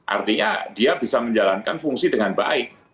artinya dia bisa menjalankan fungsi dengan baik